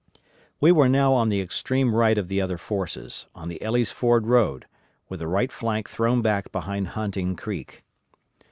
We were now on the extreme right of the other forces, on the Elley's Ford road, with the right flank thrown back behind Hunting Creek.